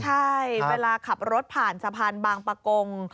ใช่เวลาขับรถผ่านสะพานบางปะกง